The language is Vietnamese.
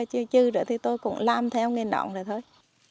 chưa chư rồi thì tôi cũng làm theo nghề nón rồi thôi